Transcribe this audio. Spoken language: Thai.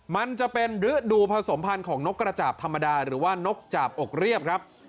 มันจะเป็นฤดูผสมพันธ์ของนกกระจาบธรรมดาหรือว่านกจาบอกเรียบครับ